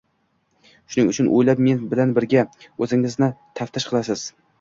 Shuning uchun o‘ylab, men bilan birga o‘zingizni taftish qilasiz.